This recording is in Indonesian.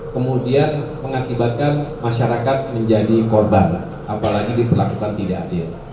kemudian mengakibatkan masyarakat menjadi korban apalagi diperlakukan tidak adil